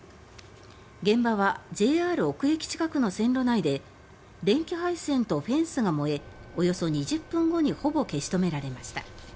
現場はＪＲ尾久駅近くの線路内で電気配線とフェンスが燃えおよそ２０分後にほぼ消し止められました。